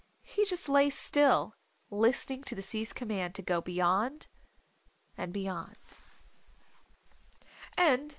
He just lay still listening to the sea's command to go beyond and beyond.